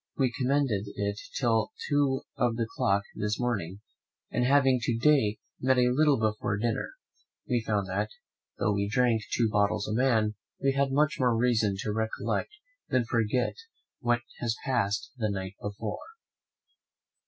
We commended it till two of the clock this morning; and having to day met a little before dinner, we found that, though we drank two bottles a man, we had much more reason to recollect than forget what had passed the night before.